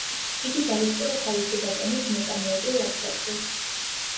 იგი დაესწრო თავისი ბატონის მოწამეობრივ აღსასრულს.